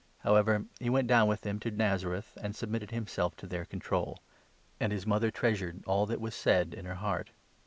However he 50, went down with them to Nazareth, and submitted himself to their control; and his mother treasured all that was said in her heart.